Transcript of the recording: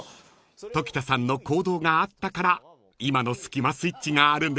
［常田さんの行動があったから今のスキマスイッチがあるんですね］